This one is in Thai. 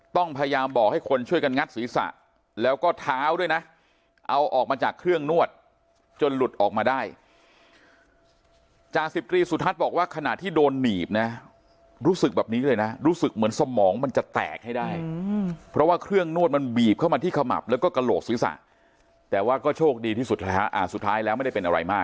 ต้องพยายามบอกให้คนช่วยกันงัดศีรษะแล้วก็เท้าด้วยนะเอาออกมาจากเครื่องนวดจนหลุดออกมาได้จ่าสิบตรีสุทัศน์บอกว่าขณะที่โดนหนีบนะรู้สึกแบบนี้เลยนะรู้สึกเหมือนสมองมันจะแตกให้ได้เพราะว่าเครื่องนวดมันบีบเข้ามาที่ขมับแล้วก็กระโหลกศีรษะแต่ว่าก็โชคดีที่สุดสุดท้ายแล้วไม่ได้เป็นอะไรมาก